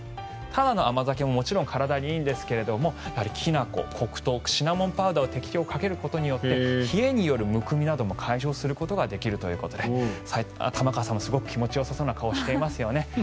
ただの甘酒ももちろん体にいいんですがきな粉、黒糖シナモンパウダーを適量かけることによって冷えによるむくみなども解消することができるということで玉川さんもすごく気持ちよさそうな顔をしてますよね。